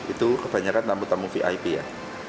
itu kebanyakan tamu tamu vip ya